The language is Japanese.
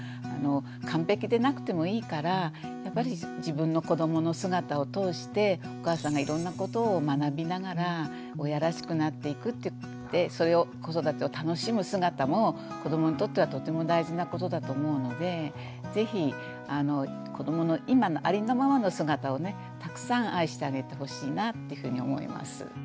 完璧でなくてもいいからやっぱり自分の子どもの姿を通してお母さんがいろんなことを学びながら親らしくなっていくってそれを子育てを楽しむ姿も子どもにとってはとても大事なことだと思うので是非子どもの今のありのままの姿をねたくさん愛してあげてほしいなってふうに思います。